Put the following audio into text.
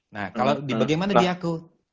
nah kalau bagaimana di aku